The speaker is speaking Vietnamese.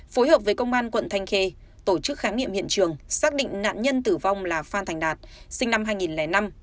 phối hợp với công an quận thanh khê tổ chức khám nghiệm hiện trường xác định nạn nhân tử vong là phan thành đạt sinh năm hai nghìn năm